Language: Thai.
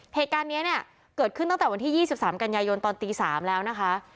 เหตุการณ์เนี้ยเนี้ยเกิดขึ้นตั้งแต่วันที่ยี่สิบสามกันยายนตอนตีสามแล้วนะคะ